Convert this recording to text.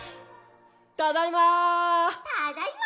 ただいま！